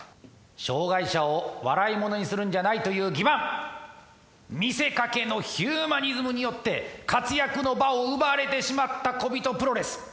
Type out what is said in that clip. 障害者を笑いものにするんじゃないという欺瞞見せかけのヒューマニズムによって活躍の場を奪われてしまった小人プロレス